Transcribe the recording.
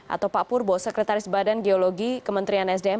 atau pak purbo sekretaris badan geologi kementerian sdm